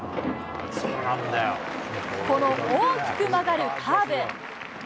この大きく曲がるカーブ。